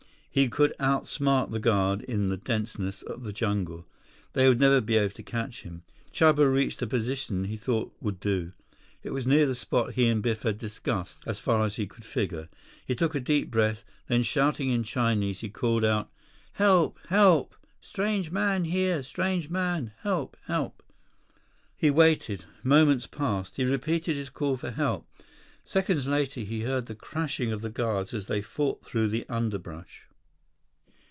He could outsmart the guard in the denseness of the jungle. They would never be able to catch him. 89 Chuba reached a position he thought would do. It was near the spot he and Biff had discussed, as far as he could figure. He took a deep breath, then, shouting in Chinese, he called out, "Help! Help! Strange man here! Strange man! Help! Help!" He waited. Moments passed. He repeated his call for help. Seconds later, he heard the crashing of the guards as they fought through the underbrush.